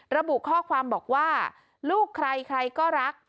ระบุข้อความบอกว่าลูกใครใครก็รัก